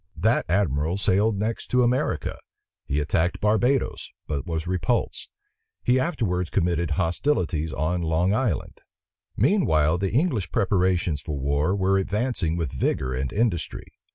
That admiral sailed next to America. He attacked Barbadoes, but was repulsed. He afterwards committed hostilities on Long Island. Meanwhile the English preparations for war were advancing with vigor and industry.